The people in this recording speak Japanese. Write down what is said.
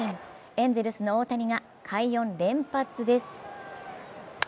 エンゼルスの大谷が快音連発です。